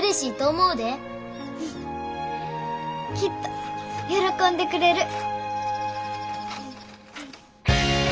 うんきっと喜んでくれる。